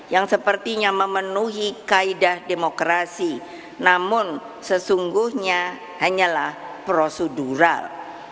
yang sepertinya memenuhi kaedah demokrasi namun sesungguhnya hanyalah prosedural